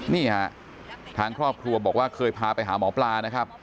นี่ฮะทางครอบครัวบอกว่าเคยพาไปหาหมอปลานะครับ